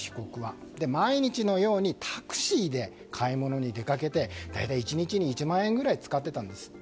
毎日のようにタクシーで買い物に出かけて大体、１日に１万円ぐらい使っていたんですって。